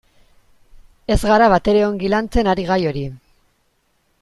Ez gara batere ongi lantzen ari gai hori.